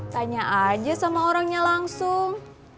tanya aja sama orangnya langsung